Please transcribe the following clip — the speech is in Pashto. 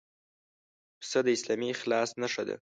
پسه د اسلامي اخلاص نښه ده.